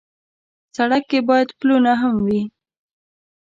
سړک کې باید پلونه هم وي.